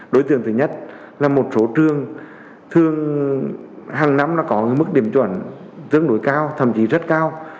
đối tượng thứ nhất là một số trường thường hàng năm có mức điểm chuẩn tương đối cao thậm chí rất cao